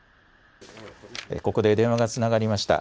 ここで電話がつながりました。